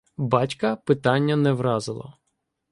"Батька" питання не вразило.